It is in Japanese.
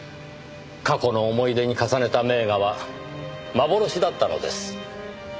過去の思い出に重ねた名画は幻だったのです。